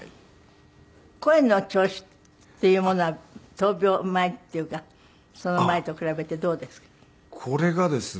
声の調子っていうものは闘病前っていうかその前と比べてどうですか？